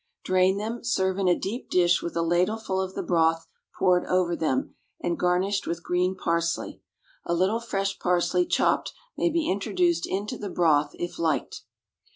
Drain them, serve in a deep dish with a ladleful of the broth poured over them, and garnished with green parsley. A little fresh parsley, chopped, may be introduced into the broth if liked.